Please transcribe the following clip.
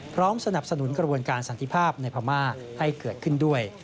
สนับสนุนกระบวนการสันติภาพในพม่าให้เกิดขึ้นด้วย